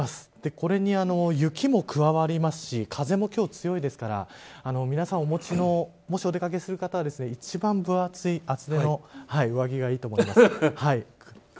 これに雪も加わりますし風も今日は強いですから皆さん、お持ちの、もしお出掛けする方は一番分厚い厚手の上着がいいと思います。